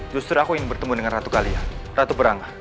justru aku ingin bertemu dengan ratu kalia ratu berangga